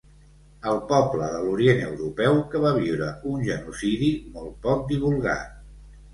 El poble de l'orient europeu que va viure un genocidi molt poc divulgat.